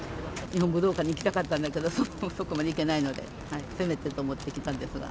日本武道館に行きたかったんだけど、そこまで行けないので、せめてと思って来たんですが。